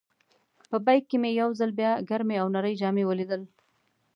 په بیک کې مې یو ځل بیا ګرمې او نرۍ جامې ولیدل.